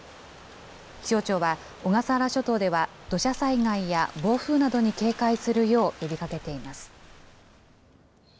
気象庁は、小笠原諸島では、土砂災害や暴風などに警戒するよう呼びかけています。